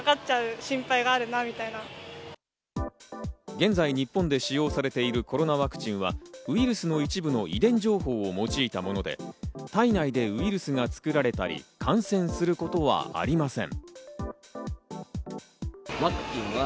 現在、日本で使用されているコロナワクチンは、ウイルスの一部の遺伝情報を用いたもので、体内でウイルスが作られたり感染することはありません。